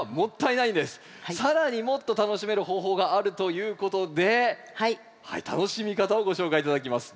更にもっと楽しめる方法があるということで楽しみ方をご紹介頂きます。